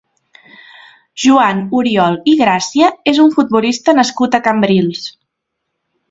Joan Oriol i Gràcia és un futbolista nascut a Cambrils.